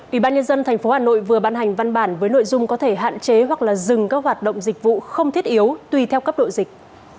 ủy ban nhân dân tp hà nội vừa ban hành văn bản với nội dung có thể hạn chế hoặc dừng các hoạt động dịch vụ không thiết yếu tùy theo cấp độ dịch